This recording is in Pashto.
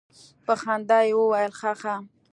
په خندا يې وويل خه خه.